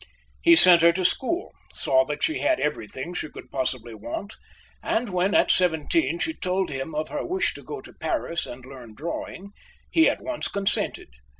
He sent her to school; saw that she had everything she could possibly want; and when, at seventeen, she told him of her wish to go to Paris and learn drawing, he at once consented.